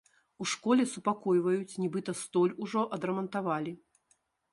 У школе супакойваюць, нібыта, столь ужо адрамантавалі.